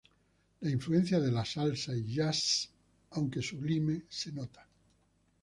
La influencia del la salsa y jazz aunque sublime se nota.